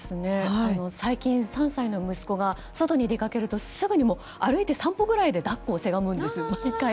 最近、３歳の息子が外に出かけるとすぐに歩いて３分くらいで抱っこをせがむんですよ、毎回。